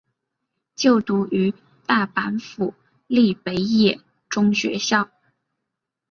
就读于大阪府立北野中学校。